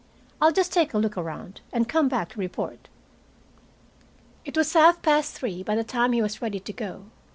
"I'll just take a look around, and come back to report." It was half past three by the time he was ready to go.